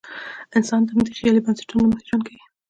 انسان د همدې خیالي بنسټونو له مخې ژوند کوي.